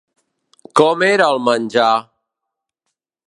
Com era el menjar?